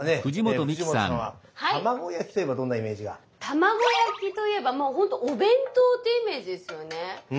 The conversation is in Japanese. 卵焼きといえばもうほんとお弁当というイメージですよね。